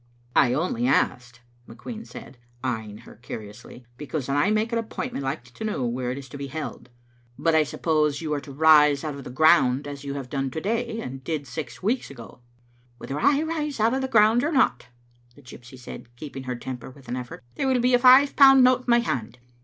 "I only asked," McQueen said, eyeing her curiously, " because when I make an appointment I like to know where it is to be held. But I suppose you are suddenly Digitized by VjOOQ IC IM tCbc little Afnf0tct* to rise out of the ground as you have done t9 day, and did six weeks ago." "Whether I rise out of the ground or not," the gypsy said, keeping her temper with an effort, " there will be a five pound note in my hand.